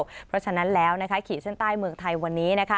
เพราะฉะนั้นแล้วขีดเส้นใต้เมืองไทยวันนี้